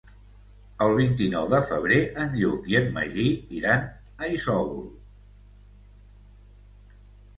El vint-i-nou de febrer en Lluc i en Magí iran a Isòvol.